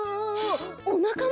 おなかも！？